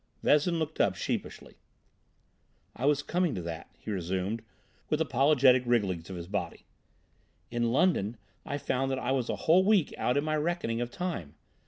Vezin looked up sheepishly. "I was coming to that," he resumed, with apologetic wrigglings of his body. "In London I found that I was a whole week out in my reckoning of time.